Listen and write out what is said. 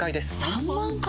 ３万回⁉